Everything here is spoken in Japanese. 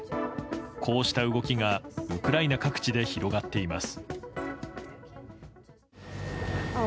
こうした動きがウクライナ各地で広がっています。